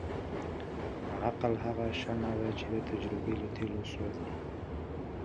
The ants destroy their boat and chase the group through the woods.